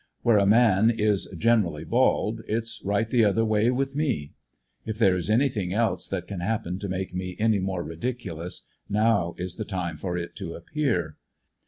Where a man is generally bald, it's right the other way with me. If there is anything else that can happen to make me any more ridiculous, now is the time for it to appear.